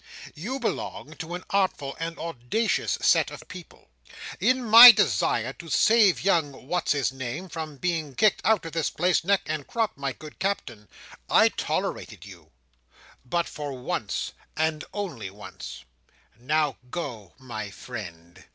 You belong to an artful and audacious set of people. In my desire to save young what's his name from being kicked out of this place, neck and crop, my good Captain, I tolerated you; but for once, and only once. Now, go, my friend!"